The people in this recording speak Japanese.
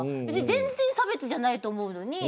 全然、差別じゃないと思うのに。